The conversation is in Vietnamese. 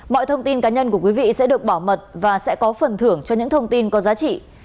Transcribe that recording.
mọi thông tin cá nhân của quý vị sẽ được bảo mật và sẽ có phần thưởng cho những thông tin có giá trị